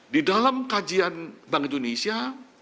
di dalam kajian bank indonesia